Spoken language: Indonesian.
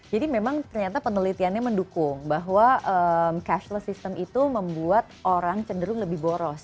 jadi memang ternyata penelitiannya mendukung bahwa cashless system itu membuat orang cenderung lebih boros